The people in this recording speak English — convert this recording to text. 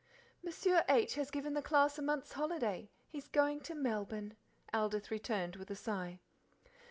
"Monsieur H has given the class a month's holiday. He is going to Melbourne," Aldith returned, with a sigh.